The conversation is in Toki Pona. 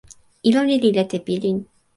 ilo ni li lete pilin.